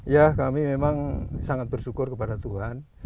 ya kami memang sangat bersyukur kepada tuhan